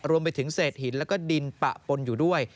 รวมไปถึงเศษหินแล้วก็ดินปะปนอยู่ด้วย